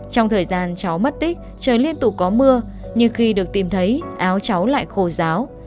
trong thời gian cháu mất tích trời liên tục có mưa nhưng khi được tìm thấy áo cháu lại khổ giáo